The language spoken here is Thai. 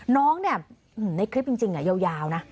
น้องเนี่ยในคลิปจริงยาวนะ